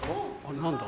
何だ？